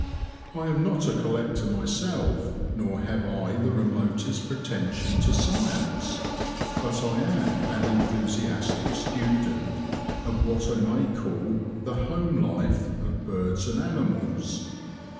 I am not a collector myself, nor have I the remotest pretension to science, but I am an enthusiastic student of what I may call the "home life" of birds and animals.